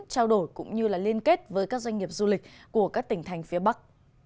trao đổi cũng như liên kết với các doanh nghiệp du lịch của các tỉnh thành phía bắc